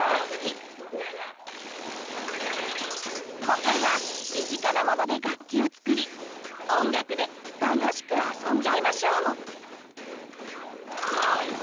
今回は身近なモノで楽器を作り音楽で楽しくあそんじゃいましょう！